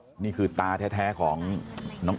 ลูกสาวหลายครั้งแล้วว่าไม่ได้คุยกับแจ๊บเลยลองฟังนะคะ